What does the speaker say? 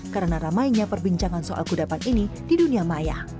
karena ramainya perbincangan soal kedapan ini di dunia maya